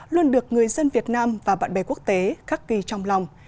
luôn được người dân việt nam và bạn bè quốc tế khắc kỳ trong lòng